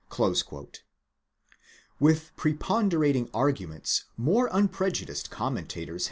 ¥ With preponderating arguments more unprejudiced commentators, have 9.